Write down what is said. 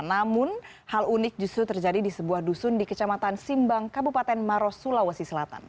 namun hal unik justru terjadi di sebuah dusun di kecamatan simbang kabupaten maros sulawesi selatan